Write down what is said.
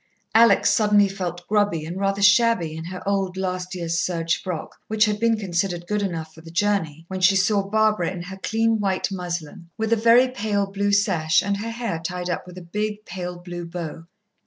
Alex suddenly felt grubby and rather shabby in her old last year's serge frock, which had been considered good enough for the journey, when she saw Barbara in her clean white muslin, with a very pale blue sash, and her hair tied up with a big pale blue bow.